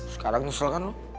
sekarang nyesel kan lu